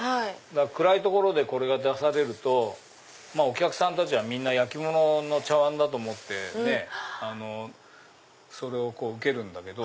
暗い所でこれが出されるとお客さんたちはみんな焼き物の茶わんだと思ってそれを受けるんだけど。